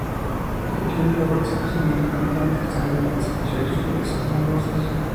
Incluye la participación del cantante estadounidense Chris Willis en las voces.